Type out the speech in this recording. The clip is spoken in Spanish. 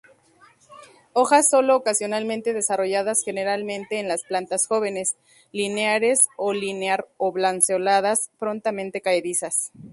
Hojas sólo ocasionalmente desarrolladas generalmente en las plantas jóvenes, lineares a linear-oblanceoladas, prontamente caedizas.